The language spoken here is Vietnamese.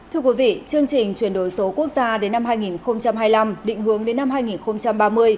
thưa quý vị chương trình chuyển đổi số quốc gia đến năm hai nghìn hai mươi năm định hướng đến năm hai nghìn ba mươi